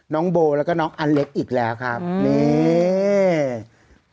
น้องโบแล้วก็น้องอเล็กอีกแล้วครับนี่